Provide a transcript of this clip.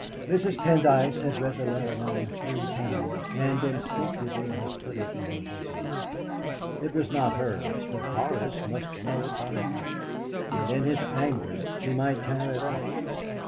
Mrs. Pendyce had read the letter now three times, and instinctively had put it in her bosom. It was not hers, but Horace must know it by heart, and in his anger he might tear it up.